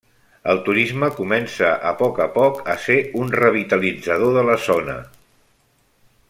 El turisme comença a poc a poc a ser un revitalitzador de la zona.